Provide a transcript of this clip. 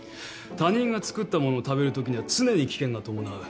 他人が作ったものを食べるときには常に危険が伴う。